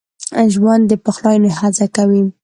ژوندي د پخلاينې هڅه کوي